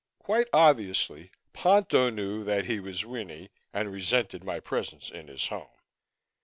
Quite obviously, Ponto knew that he was Winnie and resented my presence in his home.